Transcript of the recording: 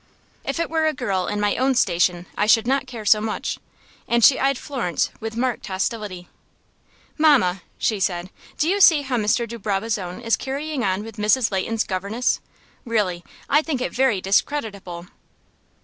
"If it were a girl in my own station I should not care so much," and she eyed Florence with marked hostility. "Mamma," she said, "do you see how Mr. de Barbazon is carrying on with Mrs. Leighton's governess? Really, I think it very discreditable."